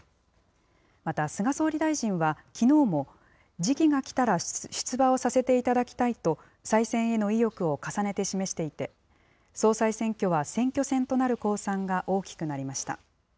また菅総理大臣は、きのうも、時期が来たら出馬をさせていただきたいと、再選への意欲を重ねて示していて、総裁選挙は選挙戦となる公算が大きくなりました。